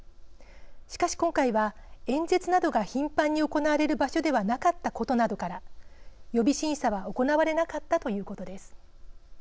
しかし今回は演説などが頻繁に行われる場所ではなかったことなどから予備審査は行われなかったということです。